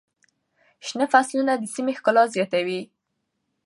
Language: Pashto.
شنه فصلونه د سیمې ښکلا زیاتوي.